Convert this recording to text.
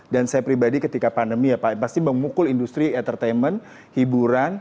dan saya pribadi ketika pandemi ya pak pasti memukul industri entertainment hiburan